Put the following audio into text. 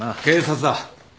警察だ。